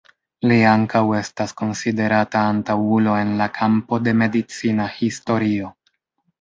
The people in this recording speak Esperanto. Li ankaŭ estas konsiderata antaŭulo en la kampo de medicina historio.